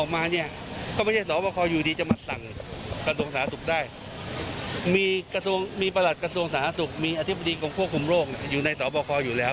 มีอธิบดีกรมควบคุมโรคอยู่ในสอบคอยู่แล้ว